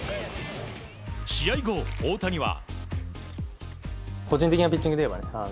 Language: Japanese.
試合後、大谷は。